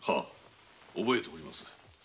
覚えております。